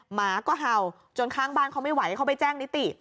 หมาก็เห่าจนข้างบ้านเขาไม่ไหวเขาไปแจ้งนิติ